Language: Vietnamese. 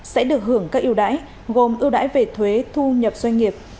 sẽ được hưởng các ưu đãi gồm ưu đãi về thuế thu nhập doanh nghiệp